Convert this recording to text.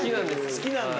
好きなんだ。